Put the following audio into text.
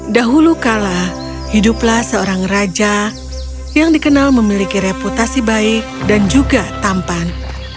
dahulu kala hiduplah seorang raja yang dikenal memiliki reputasi baik dan juga tampan